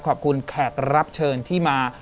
ขอบคุณแขกรับเชิญที่มา